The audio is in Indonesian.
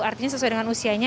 artinya sesuai dengan usianya